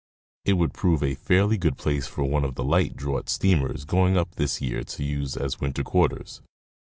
It would prove a fairly good place for one of the light draught steamers going up this year to use as winter quarters.